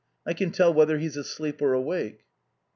I can tell whether he's asleep or awake."